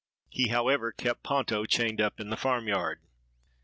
He, however, kept Ponto chained up in the farmyard.